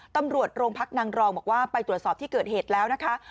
ตำรวจโรงพักนางรองบอกว่าไปตรวจสอบที่เกิดเหตุแล้วนะคะ